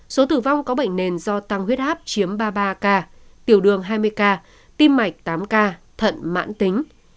số tử vong có bệnh nền do tăng huyết áp chiếm ba mươi ba ca tiểu đường hai mươi ca tim mạch tám ca thận mãn tính